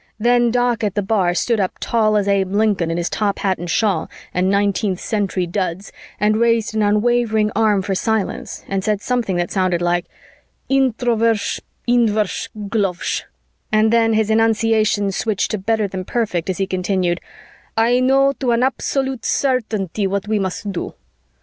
Then Doc at the bar stood up tall as Abe Lincoln in his top hat and shawl and 19th Century duds and raised an unwavering arm for silence and said something that sounded like: "Introversh, inversh, glovsh," and then his enunciation switched to better than perfect as he continued, "I know to an absolute certainty what we must do."